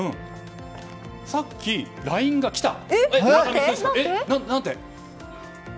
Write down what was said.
さっきＬＩＮＥが来た。